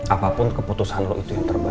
apapun keputusan lo itu yang terbaik